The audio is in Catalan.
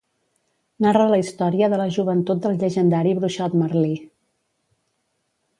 Narra la història de la joventut del llegendari bruixot Merlí.